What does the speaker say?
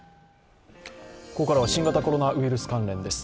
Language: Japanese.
ここからは新型コロナウイルス関連です。